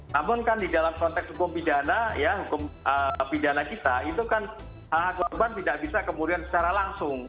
namun kan di dalam konteks hukum pidana ya hukum pidana kita itu kan hak hak korban tidak bisa kemudian secara langsung